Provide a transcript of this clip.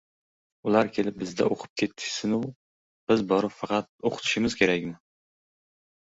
Ular kelib bizda o‘qib ketishsin-u, biz borib faqat o‘qitishimiz kerakmi?